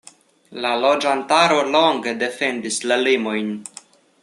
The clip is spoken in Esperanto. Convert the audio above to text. La loĝantaro longe defendis la limojn.